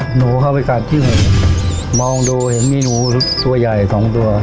หนูเข้าไปกัดที่มองดูเห็นมีหนูตัวใหญ่สองตัว